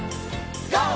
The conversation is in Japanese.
ＧＯ！